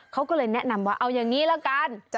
เขาก็เลยแนะนำว่าเอาอย่างนี้ละกัน